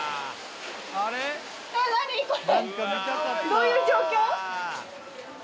どういう状況？